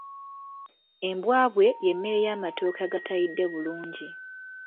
Embwabwe y’emmere y’amatooke agatayidde bulungi.